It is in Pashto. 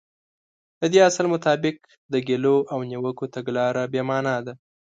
د دې اصل مطابق د ګيلو او نيوکو تګلاره بې معنا ده.